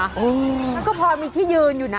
แล้วก็พอมีที่ยืนอยู่นะ